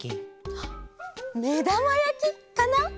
はっ「めだまやき」かな！